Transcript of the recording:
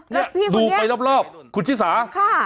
นี่ดูไปรอบคุณชิสา